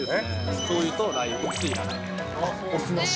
しょうゆとラー油、お酢なし？